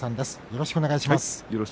よろしくお願いします。